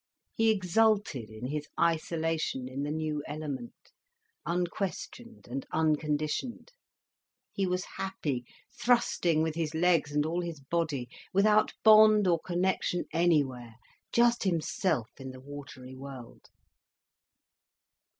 He exulted in his isolation in the new element, unquestioned and unconditioned. He was happy, thrusting with his legs and all his body, without bond or connection anywhere, just himself in the watery world.